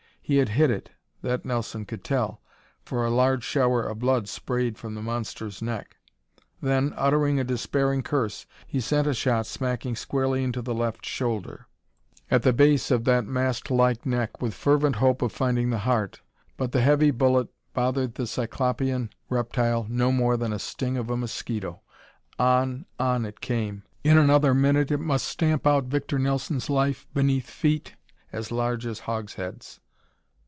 He had hit it, that Nelson could tell, for a large shower of blood sprayed from the monster's neck. Then, uttering a despairing curse, he sent a shot smacking squarely into the left shoulder, at the base of that mastlike neck with fervent hope of finding the heart. But the heavy bullet bothered the cyclopean reptile no more than a sting of a mosquito. On, on it came. In another minute it must stamp out Victor Nelson's life beneath feet as large as hogsheads.